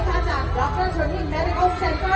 รับข่าวสิบห้าไปและเสร็จไว้ค่ะ